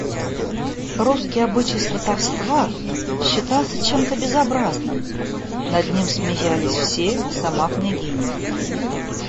Русский обычай сватовства считался чем-то безобразным, над ним смеялись все и сама княгиня.